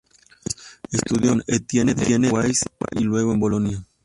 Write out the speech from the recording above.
Estudió en París con Étienne de Beauvais, y luego en Bolonia.